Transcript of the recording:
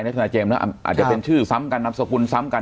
นะธนาเจมส์เนอะอ่าอาจจะเป็นชื่อซ้ำกันนามสกุลซ้ำกัน